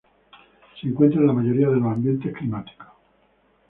Se encuentran en la mayoría de los ambientes climáticos.